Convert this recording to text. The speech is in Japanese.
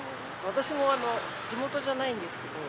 私も地元じゃないんですけど。